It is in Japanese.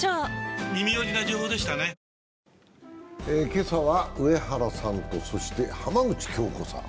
今朝は上原さんと、そして浜口京子さん。